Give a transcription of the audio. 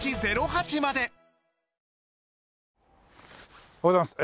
おはようございます。